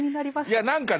いや何かね